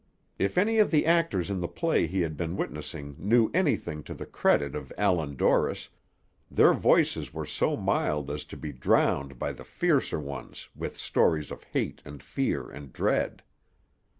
If any of the actors in the play he had been witnessing knew anything to the credit of Allan Dorris, their voices were so mild as to be drowned by the fiercer ones with stories of hate and fear and dread.